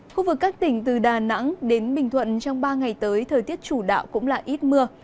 khu vực các tỉnh từ đà nẵng đến bình thuận trong ba ngày tới thời tiết chủ đạo cũng là ít mưa